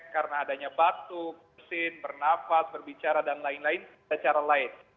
karena adanya batuk bersin bernafas berbicara dan lain lain secara lain